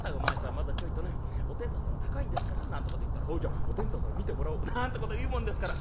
まだちょいとねお天道様高いんですから』なんてこと言ったら『おうじゃあお天道様見てもらおう』なんてこと言うもんですから」。